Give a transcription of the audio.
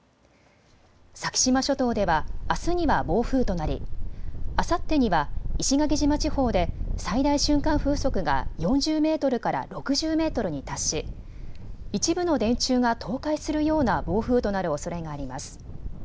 先島諸島ではあすには暴風となり、あさってには石垣島地方で最大瞬間風速が４０メートルから６０メートルに達し、一部の電柱が倒壊するような暴風となるおそれがあります。